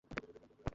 কী বললে, লাইটইয়ার?